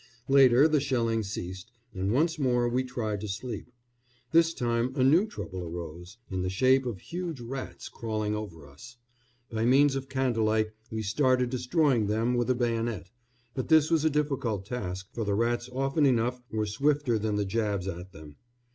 Later the shelling ceased, and once more we tried to sleep. This time a new trouble arose, in the shape of huge rats crawling over us. By means of candle light we started destroying them with a bayonet; but this was a difficult task, for the rats often enough were swifter than the jabs at them.